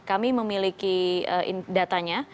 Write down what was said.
kami memiliki datanya